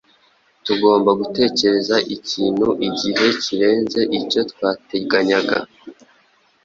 tugomba gutegereza ikintu igihe kirenze icyo twateganyaga.